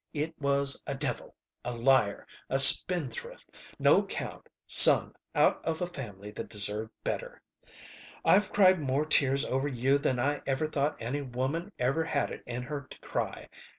It was a devil! A liar! A spendthrift, no 'count son out of a family that deserved better. I've cried more tears over you than I ever thought any woman ever had it in her to cry.